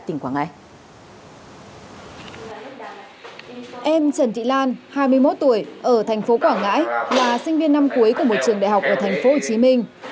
em trần thị lan hai mươi một tuổi ở thành phố quảng ngãi là sinh viên năm cuối của một trường đại học ở thành phố hồ chí minh